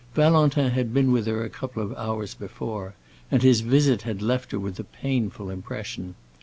Valentin had been with her a couple of hours before, and his visit had left her with a painful impression.